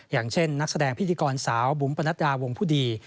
อย่างเช่นนักแสดงพิธีกรสาวบุ๋มปนัดดาวงผู้ดี